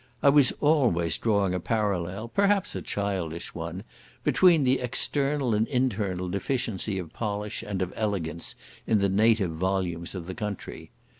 I was always drawing a parallel, perhaps a childish one, between the external and internal deficiency of polish and of elegance in the native volumes of the country.